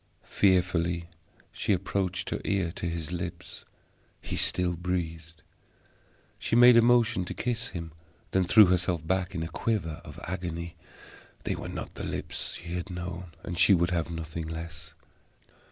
Fearfully, she approached her ear to his lips; he still breathed. She made a motion to kiss him, then threw herself back in a quiver of agony they were not the lips she had known, and she would have nothing less.